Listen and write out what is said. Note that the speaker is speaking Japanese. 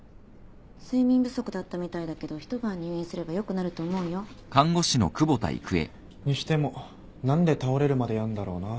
睡眠不足だったみたいだけど一晩入院すれば良くなると思うよ。にしても何で倒れるまでやんだろうな。